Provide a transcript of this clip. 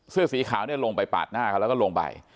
เสื้อสีขาวเนี่ยลงไปปาดหน้าเขาแล้วก็ลงไป